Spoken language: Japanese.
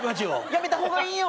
やめた方がいいよ。